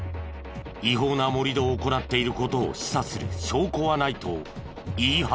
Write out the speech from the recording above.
違法な盛り土を行っている事を示唆する証拠はないと言い張った。